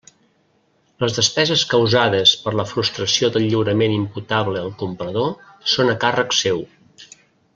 Les despeses causades per la frustració del lliurament imputable al comprador són a càrrec seu.